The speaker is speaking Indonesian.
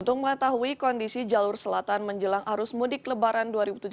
untuk mengetahui kondisi jalur selatan menjelang arus mudik lebaran dua ribu tujuh belas